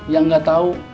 yang gak tau